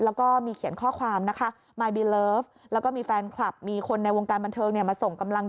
แล้วก็มีเขียนข้อความนะคะมายบีเลิฟแล้วก็มีแฟนคลับมีคนในวงการบันเทิงเนี่ยมาส่งกำลัง